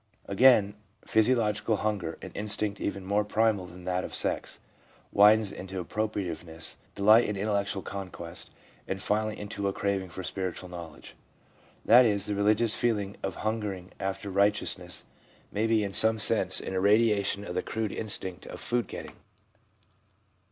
Again, physiological hunger — an instinct even more primal than that of sex — widens into appropriativeness, delight in intellectual conquest, and finally into a craving for spiritual knowledge. That is, the religious feeling of hungering after righteousness may be in some sense an irradiation of the crude instinct of food getting.